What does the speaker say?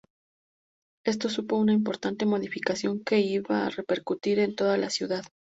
Esto supuso una importante modificación qui iba a repercutir en toda la ciudad.